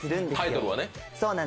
タイトルはね。